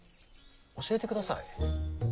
教えてください。